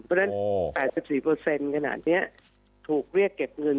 เพราะฉะนั้น๘๔ขนาดนี้ถูกเรียกเก็บเงิน